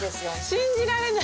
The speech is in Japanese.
信じられない！